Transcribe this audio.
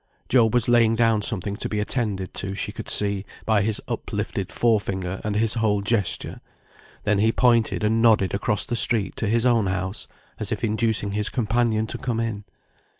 Job was laying down something to be attended to she could see, by his up lifted fore finger, and his whole gesture; then he pointed and nodded across the street to his own house, as if inducing his companion to come in.